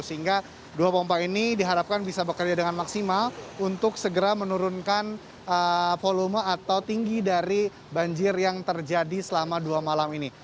sehingga dua pompa ini diharapkan bisa bekerja dengan maksimal untuk segera menurunkan volume atau tinggi dari banjir yang terjadi selama dua malam ini